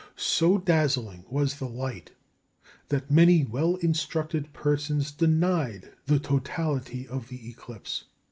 So dazzling was the light that many well instructed persons denied the totality of the eclipse.